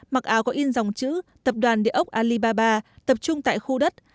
mặc áo có in dòng chữ tập đoàn địa ốc alibaba tập trung tại khu đất